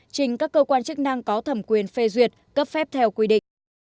trình các cơ quan chức năng có thẩm quyền phê duyệt cấp phép theo quy định